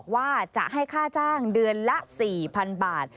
ว่าจะให้ค่าจ้างเดือนละ๔๐๐๐บาท